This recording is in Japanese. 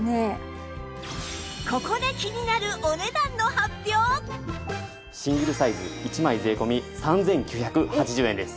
ここでシングルサイズ１枚税込３９８０円です。